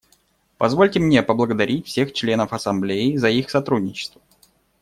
Позвольте мне поблагодарить всех членов Ассамблеи за их сотрудничество.